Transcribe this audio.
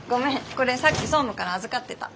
これさっき総務から預かってた。